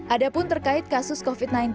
ada pun terkait kasus covid sembilan belas